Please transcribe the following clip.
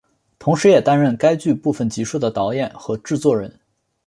同时也担任该剧部分集数的导演和制作人。